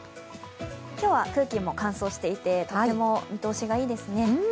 今日は空気も乾燥していてとても見通しがいいですね。